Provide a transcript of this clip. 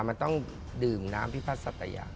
มันต้องดื่มน้ำพิพัฒน์สัตยา